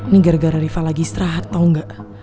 nih gara gara rifa lagi istirahat tau gak